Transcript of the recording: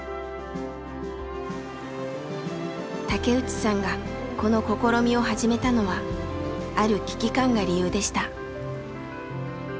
竹内さんがこの試みを始めたのはある危機感が理由でした。